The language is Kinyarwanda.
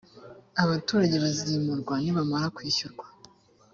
abaturage bazimurwa nibamara kwishyurwa